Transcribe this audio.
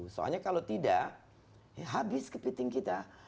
soalnya kalau tidak habis kepiting kita